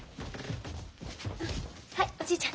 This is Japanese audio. はいおじいちゃん。